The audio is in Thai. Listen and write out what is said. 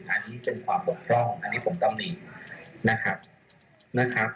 อันนี้เป็นความปกปร่องอันนี้ผมต้องมีนะครับ